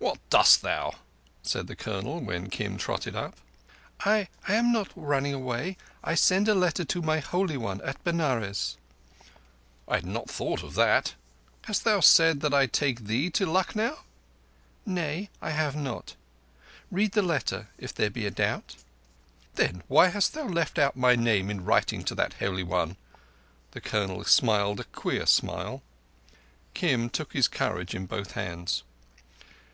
"What dost thou?" said the Colonel, when Kim trotted up. "I—I am not running away. I send a letter to my Holy One at Benares." "I had not thought of that. Hast thou said that I take thee to Lucknow?" "Nay, I have not. Read the letter, if there be a doubt." "Then why hast thou left out my name in writing to that Holy One?" The Colonel smiled a queer smile. Kim took his courage in both hands.